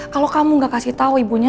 kalau kamu gak kasih tahu ibunya